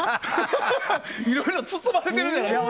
いろいろ包まれてるじゃないですか。